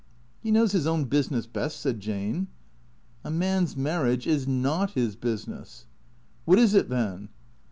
" He knows his own business best," said Jane. " A man's marriage is not his business." ''What is it, then?"